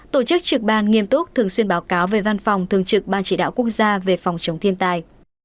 tổ chức trực ban nghiêm túc thường xuyên báo cáo về văn phòng thường trực ban chỉ đạo quốc gia về phòng chống thiên tai